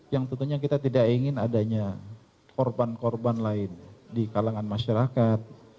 yang tentunya kita tidak ingin adanya korban korban lain di kalangan masyarakat